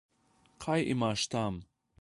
Kaj imaš tam?